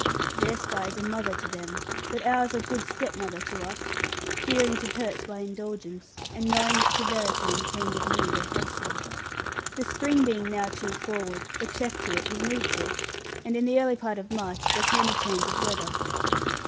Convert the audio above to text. Their sky is a mother to them; but ours a good stepmother to us fearing to hurt by indulgence, and knowing that severity and change of mood are wholesome. The spring being now too forward, a check to it was needful; and in the early part of March there came a change of weather.